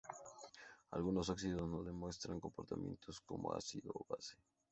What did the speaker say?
Algunos óxidos no demuestran comportamiento como ácido o base.